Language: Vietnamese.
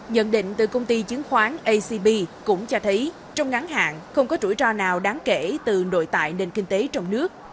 nhận định từ công ty chứng khoán acb cũng cho thấy trong ngắn hạn không có rủi ro nào đáng kể từ nội tại nền kinh tế trong nước